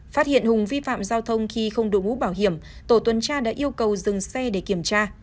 phát hiện hùng vi phạm giao thông khi không đội mũ bảo hiểm tổ tuần tra đã yêu cầu dừng xe để kiểm tra